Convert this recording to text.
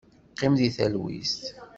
Qim di talwit!